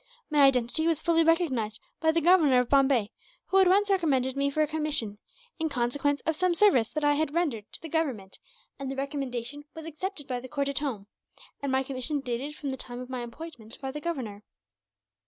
My identity was fully recognized by the Governor of Bombay, who at once recommended me for a commission, in consequence of some service that I had rendered to the Government; and the recommendation was accepted by the court at home, and my commission dated from the time of my appointment by the Governor."